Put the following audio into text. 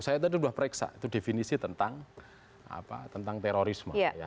saya tadi sudah periksa itu definisi tentang terorisme